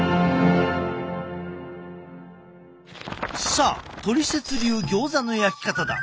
さあトリセツ流ギョーザの焼き方だ。